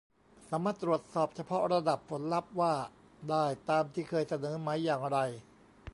สามารถตรวจสอบเฉพาะระดับผลลัพธ์ว่าได้ตามที่เคยเสนอไหม อย่างไร